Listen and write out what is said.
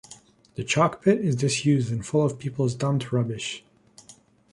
The chalk pit is disused and full of people's dumped rubbish.